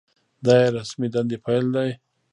دا یې د رسمي دندې پیل دی.